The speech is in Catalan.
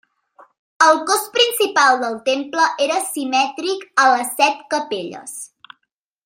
El cos principal del temple era simètric a les set capelles.